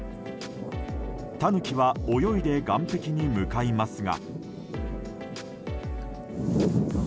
タヌキは泳いで岸壁に向かいますが。